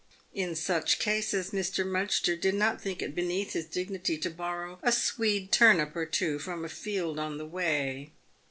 In such cases, Mr. Mudgster did not think it beneath his dignity to borrow a swede turnip or two from a field on the way.